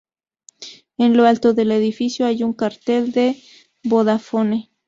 En lo alto del edificio hay un cartel de Vodafone.